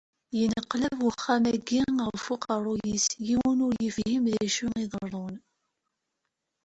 Yenneqlab uxxam-agi ɣef uqerru-is, yiwen ur yefhim d acu iḍerrun.